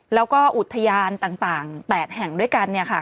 แล้วก็อุทยานต่างแปดแห่งด้วยกันเนี่ยค่ะ